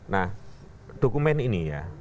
nah dokumen ini ya